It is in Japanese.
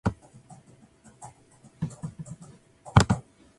今日、ともだちといっしょに、大学に行きます。